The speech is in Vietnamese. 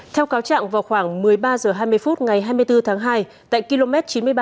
theo cáo trạng vào khoảng một mươi ba h hai mươi phút ngày hai mươi bốn tháng hai tại km chín mươi ba một trăm sáu mươi